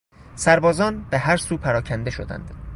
سربازان به هر سو پراکنده شدند.